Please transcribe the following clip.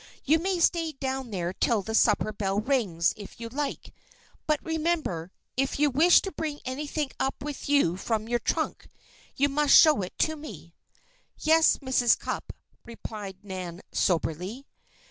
You may stay down there till the supper bell rings, if you like. But remember, if you wish to bring anything up with you from your trunk, you must show it to me." "Yes Mrs. Cupp," replied Nan, soberly.